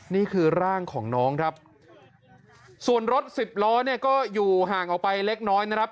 นี่คือร่างของน้องครับส่วนรถสิบล้อเนี่ยก็อยู่ห่างออกไปเล็กน้อยนะครับ